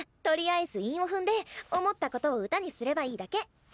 とりあえず韻を踏んで思ったことを歌にすればいいだけ。